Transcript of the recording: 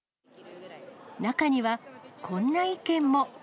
中にはこんな意見も。